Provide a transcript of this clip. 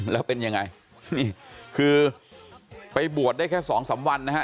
แล้วเป็นยังไงนี่คือไปบวชได้แค่สองสามวันนะฮะ